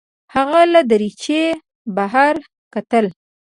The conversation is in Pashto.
هغه له دریچې بهر کتل.